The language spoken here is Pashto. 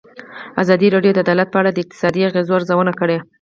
ازادي راډیو د عدالت په اړه د اقتصادي اغېزو ارزونه کړې.